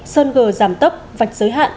sơn gờ giảm tấp vạch giới hạn